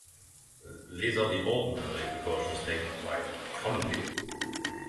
These are the ordinary precautions taken by common people.